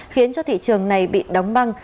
khiến cho thị trường này bị đóng băng